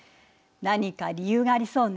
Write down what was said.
何か理由がありそうね。